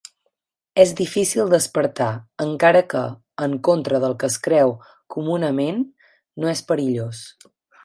És difícil despertar -encara que, en contra del que es creu comunament, no és perillós.